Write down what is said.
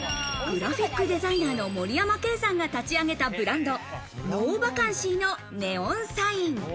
グラフィックデザイナーの森山桂さんが立ち上げたブランド、ＮＯＶＡＣＡＮＣＹのネオンサイン。